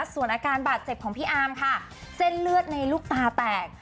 ส่วนอาการบาดเจ็บของพี่อามค่ะเส้นเลือดในลูกตาแตก